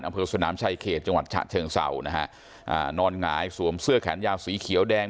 อำเภอสนามชายเขตจังหวัดฉะเชิงเศร้านะฮะอ่านอนหงายสวมเสื้อแขนยาวสีเขียวแดง